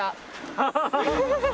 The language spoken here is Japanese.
ハハハハ。